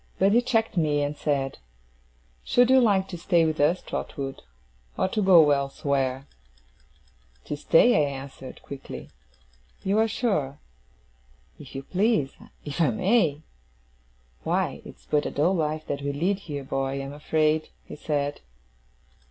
But he checked me and said: 'Should you like to stay with us, Trotwood, or to go elsewhere?' 'To stay,' I answered, quickly. 'You are sure?' 'If you please. If I may!' 'Why, it's but a dull life that we lead here, boy, I am afraid,' he said.